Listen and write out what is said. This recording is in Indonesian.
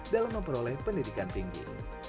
dalam memperoleh pendidikan tinggi